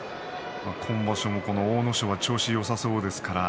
阿武咲は調子がよさそうですからね。